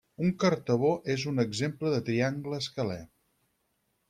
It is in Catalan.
Un cartabó és un exemple de triangle escalè.